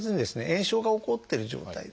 炎症が起こってる状態。